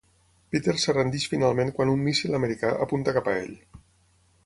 Peter es rendeix finalment quan un míssil americà apunta cap a ell.